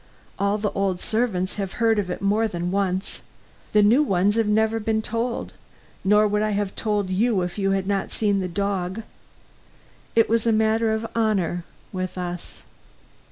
All the old servants have heard of it more than once. The new ones have never been told. Nor would I have told you if you had not seen the dog. It was a matter of honor with us."